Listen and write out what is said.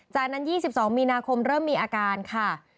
จากนั้น๒๒มีนาคมเริ่มมีอาการค่ะ